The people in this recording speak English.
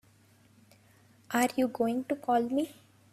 Are you going to call me?